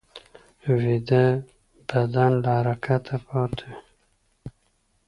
ویده بدن له حرکته پاتې وي